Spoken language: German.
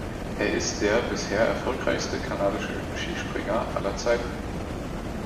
Er ist der bisher erfolgreichste kanadische Skispringer aller Zeiten.